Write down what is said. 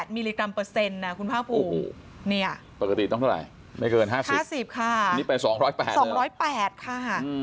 มิลลิกรัมเปอร์เซ็นต์คุณภาคภูมิปกติต้องเท่าไหร่ไม่เกิน๕๐ค่ะนี่ไป๒๐๘๒๐๘ค่ะ